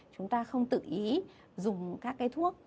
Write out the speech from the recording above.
chúng ta không tự ý dùng các cái thuốc